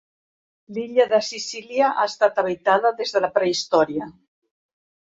L'illa de Sicília ha estat habitada des de la Prehistòria.